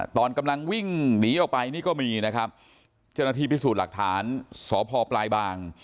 ตอนกำลังวิ่งหนีออกไปนี่ก็มีนะครับเจ้าหน้าที่พิสูจน์หลักฐานสพปลายบาง